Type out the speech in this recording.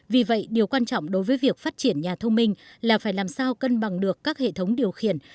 vì vậy điều quan trọng đối với việc phát triển nhà thông minh là phải làm sao cân bằng được các hệ thống điều khiển